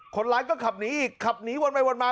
คนร้ายก็ขับหนีอีกขับหนีวนไปวนมา